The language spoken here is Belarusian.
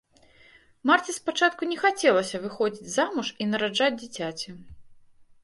Марце спачатку не хацелася выходзіць замуж і нараджаць дзіцяці.